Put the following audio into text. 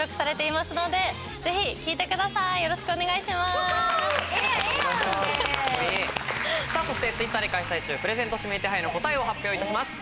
さぁそしてＴｗｉｔｔｅｒで開催中プレゼント指名手配の答えを発表いたします。